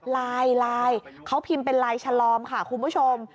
ลายเขาพิมพ์เป็นลายชลอมค่ะคุณผู้ชม